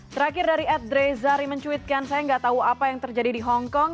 terakhir dari ad drezari mencuitkan saya nggak tahu apa yang terjadi di hongkong